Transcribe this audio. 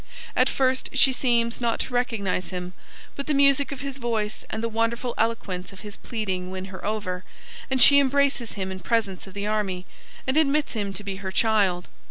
At first she seems not to recognise him, but the music of his voice and the wonderful eloquence of his pleading win her over, and she embraces him in presence of the army and admits him to be her child.